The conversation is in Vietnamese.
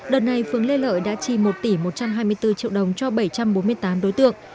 đợt này phương lê lợi đã chi một tỷ một trăm hai mươi bốn triệu đồng cho bảy trăm bốn mươi tám đối tượng